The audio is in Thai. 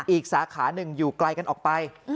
อีกสาขาหนึ่งอยู่ไกลกันออกไป